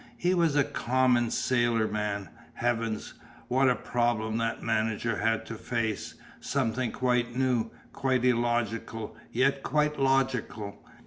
He was a common sailor man. Heavens! What a problem that manager had to face, something quite new, quite illogical, yet quite logical.